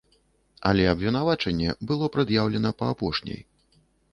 Але абвінавачванне было прад'яўлена па апошняй.